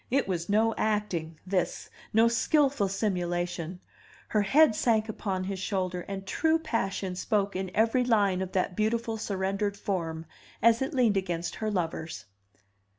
It was no acting, this, no skilful simulation; her head sank upon his shoulder, and true passion spoke in every line of that beautiful surrendered form, as it leaned against her lover's.